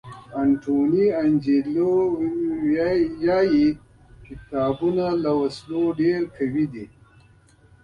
انټوني انجیلو وایي کتابونه له وسلو ډېر قوي دي.